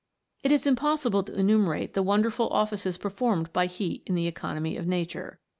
It is impossible to emimerate the wonderful offices performed by heat in the economy of nature.